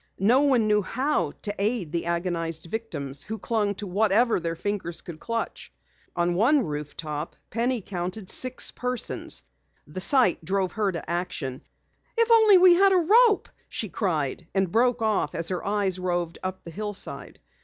No one knew how to aid the agonized victims who clung to whatever their fingers could clutch. On one rooftop, Penny counted six persons. The sight drove her to action. "If only we had a rope " she cried, and broke off as her eyes roved up the hillside.